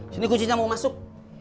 sini kuncinya mau masuk